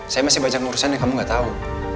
saya masih banyak urusan yang kamu gak tahu